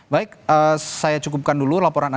baik saya cukupkan dulu laporan anda